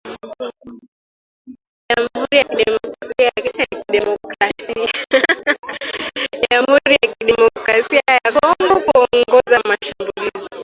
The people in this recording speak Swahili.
jamhuri ya kidemokrasia ya Kongo kuongoza mashambulizi